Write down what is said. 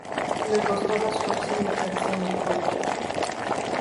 Le costaba esfuerzo meterse en el coche".